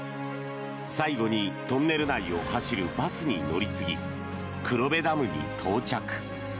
最後にトンネル内を走るバスに乗り継ぎ黒部ダムに到着。